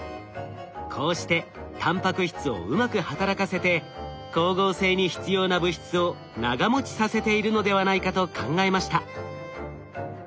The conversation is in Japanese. こうしてタンパク質をうまく働かせて光合成に必要な物質を長もちさせているのではないかと考えました。